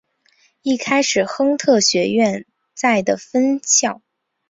一开始是亨特学院在的分校。